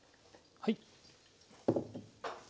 はい。